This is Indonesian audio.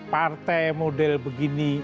partai model begini